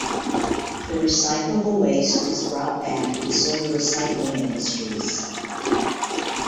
The recyclable waste is brought back and sold to recycling industries.